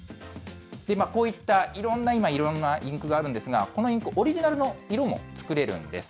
こういった、いろんな今、インクがあるんですが、このインク、オリジナルの色も作れるんです。